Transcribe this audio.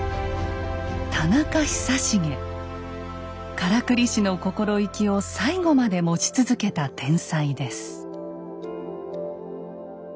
からくり師の心意気を最後まで持ち続けた天才です。